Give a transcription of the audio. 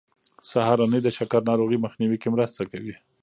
سهارنۍ د شکر ناروغۍ مخنیوی کې مرسته کوي.